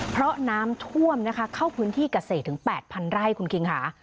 เพราะน้ำท่วมนะคะเข้าพื้นที่เกษตรถึง๘๐๐ไร่คุณคิงค่ะ